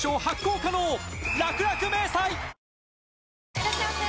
いらっしゃいませ！